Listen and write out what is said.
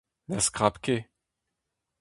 Na skrab ket.